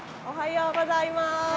おはようございます。